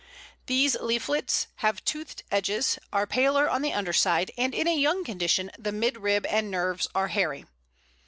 These leaflets have toothed edges, are paler on the underside, and in a young condition the midrib and nerves are hairy.